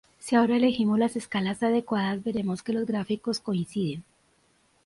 Si ahora elegimos las escalas adecuadas veremos que los gráficos coinciden.